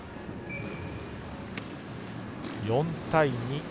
４対２。